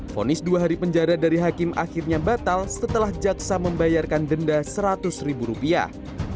fonis dua hari penjara dari hakim akhirnya batal setelah jaksa membayarkan denda seratus ribu rupiah